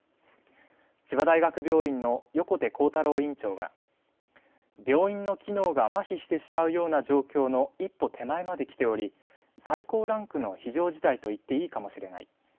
千葉大学病院の横手幸太郎院長は病院の機能がまひしてしまうような状況の一歩手前まできており最高ランクの非常事態といっていいかもしれない。